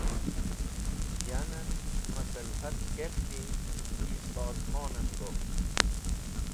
Yanen masilhat kerti, yi sozmonen go.